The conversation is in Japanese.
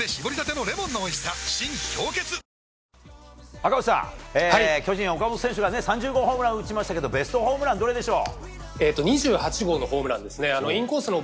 赤星さん、巨人の岡本選手が３０号ホームランを打ちましたけどベストホームランはどれでしょう？